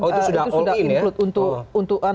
itu sudah include untuk